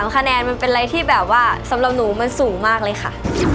คะแนนมันเป็นอะไรที่แบบว่าสำหรับหนูมันสูงมากเลยค่ะ